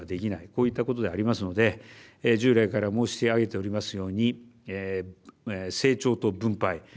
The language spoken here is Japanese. こういったことでありますので従来から申し上げておりますように成長と分配